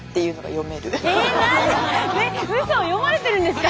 読まれてるんですか？